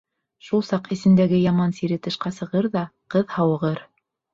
Шул саҡ эсендәге яман сире тышҡа сығыр ҙа, ҡыҙ һауығыр.